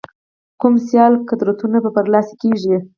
کوم سیال قدرتونه به برلاسي کېږي.